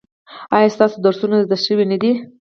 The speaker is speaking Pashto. ایا ستاسو درسونه زده شوي نه دي؟